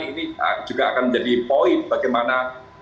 ini juga akan menjadi poin bagaimana